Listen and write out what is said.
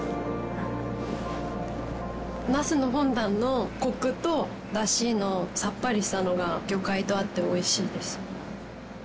ナスのフォンダンのコクとだしのさっぱりしたのが魚介と合って美味しいです。